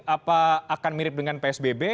apa akan mirip dengan psbb